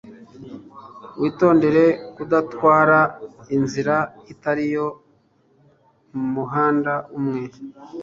witondere kudatwara inzira itari yo mumuhanda umwe